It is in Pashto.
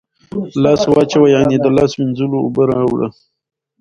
لاس واچوه ، یعنی د لاس مینځلو اوبه راوړه